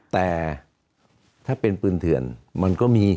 แต่ถ้าเป็นปืนเถื่อนมันก็มี